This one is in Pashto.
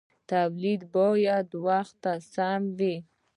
تولید باید وخت ته سم وي.